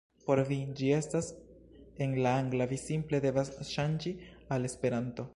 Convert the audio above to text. Por vi, ĝi estas en la angla vi simple devas ŝanĝi al Esperanto